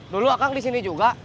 dulu akang disini juga